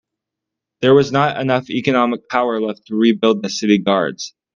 There was not enough economic power left to rebuild the city guards.